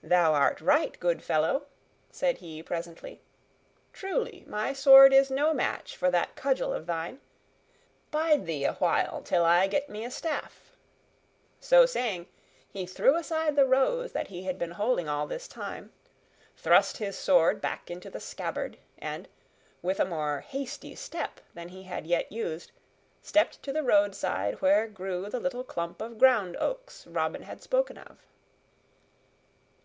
"Thou art right, good fellow," said he presently, "truly, my sword is no match for that cudgel of thine. Bide thee awhile till I get me a staff." So saying, he threw aside the rose that he had been holding all this time, thrust his sword back into the scabbard, and, with a more hasty step than he had yet used, stepped to the roadside where grew the little clump of ground oaks Robin had spoken of.